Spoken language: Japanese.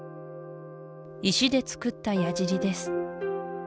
石で作ったやじりです